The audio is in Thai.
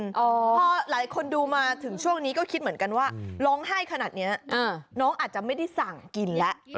พอหลายคนดูมาถึงช่วงนี้ก็คิดเหมือนกันว่าร้องไห้ขนาดนี้น้องอาจจะไม่ได้สั่งกินแล้ว